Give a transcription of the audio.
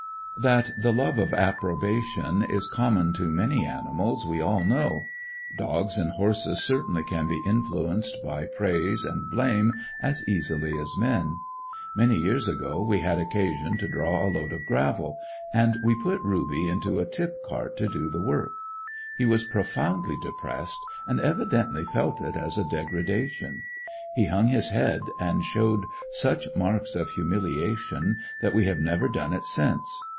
That the love of approbation is common to many animals we all know. Dogs and horses certainly can be influenced by praise and blame, as easily as men. Many years ago we had occasion to draw a load of gravel, and we put Ruby into a tip cart to do the work. He was profoundly depressed, and evidently felt it as a degradation. He hung his head, and showed such marks of humiliation that we have never done it since.